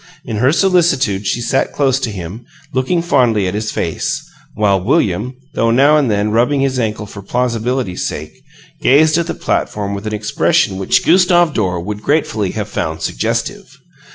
In her solicitude she sat close to him, looking fondly at his face, while William, though now and then rubbing his ankle for plausibility's sake, gazed at the platform with an expression which Gustave Dore would gratefully have found suggestive.